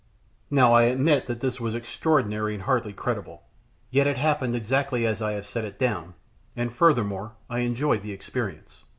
] Now I admit that this was extraordinary and hardly credible, yet it happened exactly as I have set it down, and, furthermore, I enjoyed the experience.